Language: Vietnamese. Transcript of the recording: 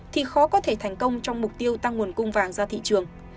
thì khó có thể thành công trong mục tiêu tăng nguồn cung vàng ra thị trường